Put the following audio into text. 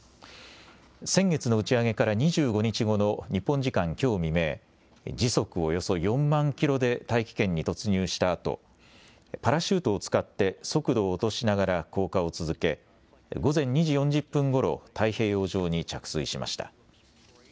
先月の打ち上げから２５日後の日本時間きょう未明、時速およそ４万キロで大気圏に突入したあと、パラシュートを使って速度を落としながら降下を続け、午前２時４０分ごろ、太平洋上に着水しました。